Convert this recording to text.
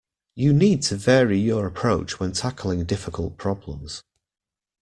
You need to vary your approach when tackling difficult problems.